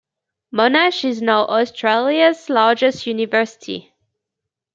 Monash is now Australia's largest university.